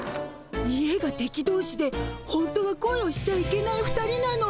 家が敵同士で本当は恋をしちゃいけない２人なの。